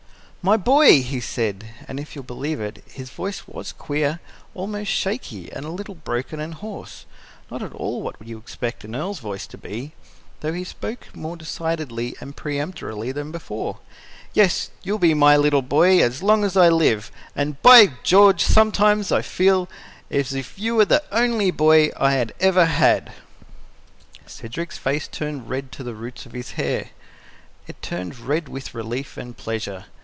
"My boy!" he said and, if you'll believe it, his very voice was queer, almost shaky and a little broken and hoarse, not at all what you would expect an Earl's voice to be, though he spoke more decidedly and peremptorily even than before, "Yes, you'll be my boy as long as I live; and, by George, sometimes I feel as if you were the only boy I had ever had." Cedric's face turned red to the roots of his hair; it turned red with relief and pleasure.